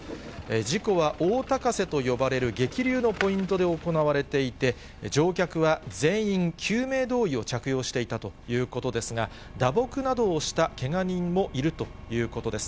事故は大高瀬と呼ばれる激流のポイントで行われていて、乗客は全員、救命胴衣を着用していたということですが、打撲などをしたけが人もいるということです。